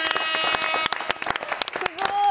すごい！